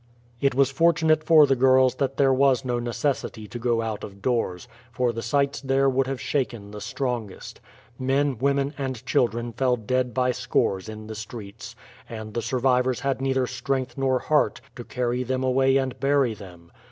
It was fortunate for the girls that there was no necessity to go out of doors, for the sights there would have shaken the strongest. Men, women, and children fell dead by scores in the streets, and the survivors had neither strength nor heart to carry them away and bury them.